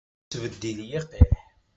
Ur yettbeddil yiqiḥ.